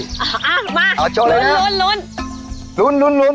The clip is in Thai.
อ่ะมาโชว์เลยนะลุ้น